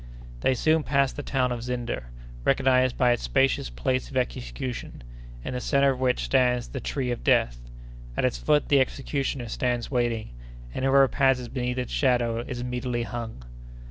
They soon passed the town of Zinder, recognized by its spacious place of execution, in the centre of which stands the "tree of death." At its foot the executioner stands waiting, and whoever passes beneath its shadow is immediately hung!